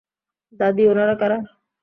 দাদী, উনারা কারা?